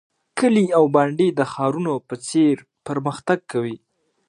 کلي او بانډې د ښارونو په څیر پرمختګ کوي.